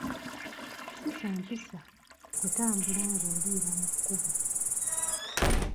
Si kya mpisa kutambula ng'oliira mu kkubo.